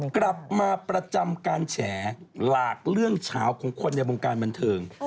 กลับมาประจำการแฉหลากเรื่องเฉาของคนในวงการบันเทิง